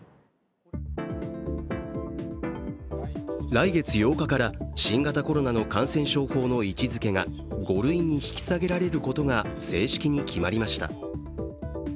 来月８日から新型コロナの感染症法の位置づけが５類に引き下げられることが正式に決まりました。